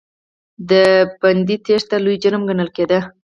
د بندي تېښته لوی جرم ګڼل کېده.